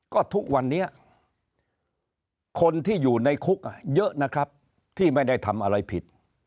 ก็ทุกวันนี้คนที่อยู่ในคุกเยอะนะครับที่ไม่ได้ทำอะไรผิด